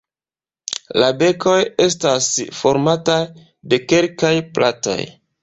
La bekoj estas formataj de kelkaj platoj.